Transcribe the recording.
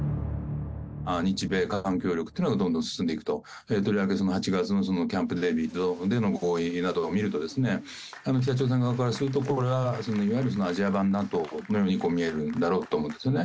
日米韓の協力っていうのがどんどん進んでいくと、とりわけ８月のキャンプ・デービッドでの合意などを見ると、北朝鮮側からすると、これはいわゆるアジア版ＮＡＴＯのように見えるんだろうと思うんですね。